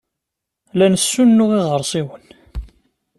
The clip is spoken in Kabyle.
La nessunuɣ iɣersiwen.